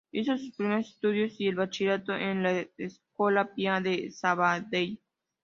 Hizo sus primeros estudios y el bachillerato en la "Escola Pia" de Sabadell.